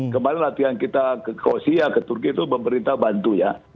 kemarin latihan kita ke kosia ke turki itu pemerintah bantu ya